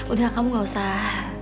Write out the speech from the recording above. udah kamu gak usah